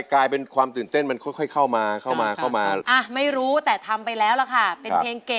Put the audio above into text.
มันตื่นเต้นกับคุณเตะพรีสาม